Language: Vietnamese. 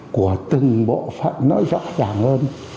của từng bộ phận nói rõ ràng hơn